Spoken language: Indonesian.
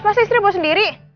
pasti istri bawa sendiri